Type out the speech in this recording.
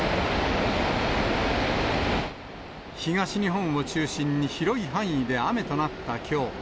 東日本を中心に広い範囲で雨となったきょう。